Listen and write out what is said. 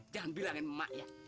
jangan bilangin emak ya